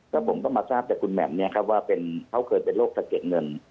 ก็ผมต้องมาทราบจากคุณแหม่มว่าเขาเกิดเป็นโรคเศรษฐ์เกดเงิน